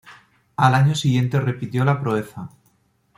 Al año siguiente repitió la proeza.